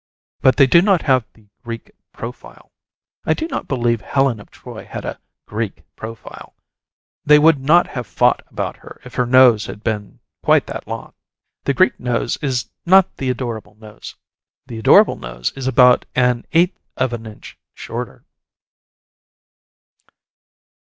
But they do not have the "Greek profile." I do not believe Helen of Troy had a "Greek profile"; they would not have fought about her if her nose had been quite that long. The Greek nose is not the adorable nose. The adorable nose is about an eighth of an inch shorter.